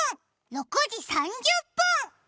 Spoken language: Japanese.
６時３０分！